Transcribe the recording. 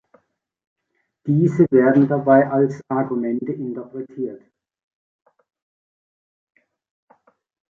Diese werden dabei als Argumente interpretiert.